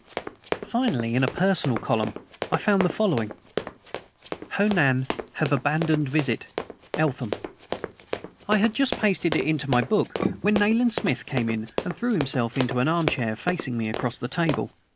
Finally, in a Personal Column, I found the following: "HO NAN. Have abandoned visit. ELTHAM." I had just pasted it into my book when Nayland Smith came in and threw himself into an arm chair, facing me across the table.